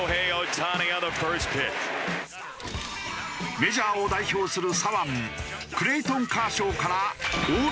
メジャーを代表する左腕クレイトン・カーショーから。